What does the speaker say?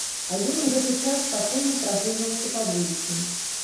А ён у гэты час спакойна прагульваўся па вуліцы.